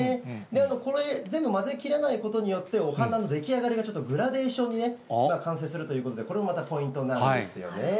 これ、全部混ぜ切らないことによって、お花の出来上がりがちょっとグラデーションにね、完成するということで、これもまたポイントになるんですよね。